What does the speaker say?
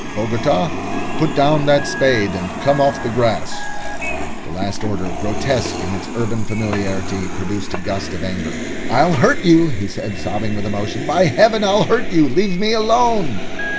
"Bogota! Put down that spade, and come off the grass!" The last order, grotesque in its urban familiarity, produced a gust of anger. "I'll hurt you," he said, sobbing with emotion. "By Heaven, I'll hurt you. Leave me alone!"